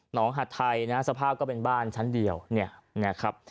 หัดไทยนะสภาพก็เป็นบ้านชั้นเดียวเนี่ยนะครับ